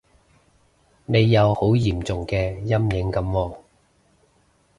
你有好嚴重嘅陰影噉喎